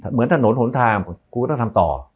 เหมือนถนนหนทางกูก็ต้องทำต่อ